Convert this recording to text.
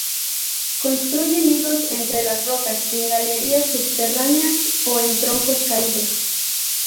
Construye nidos entre las rocas, en galerías subterráneas o en troncos caídos.